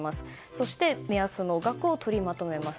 そして目安の額を取りまとめます。